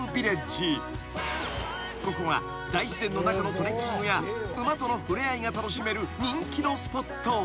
［ここが大自然の中のトレッキングや馬との触れ合いが楽しめる人気のスポット］